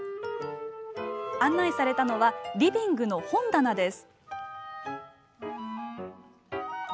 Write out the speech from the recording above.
案内されたのはリビングの本棚です。